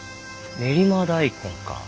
練馬大根か。